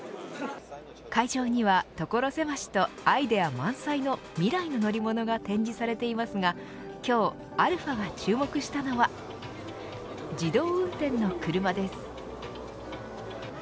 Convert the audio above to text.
会場には所狭しとアイデア満載のミライの乗り物が展示されていますが今日、αが注目したのは自動運転の車です。